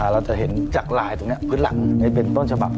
เราจะเห็นจากลายตรงนี้พื้นหลังเป็นต้นฉบับ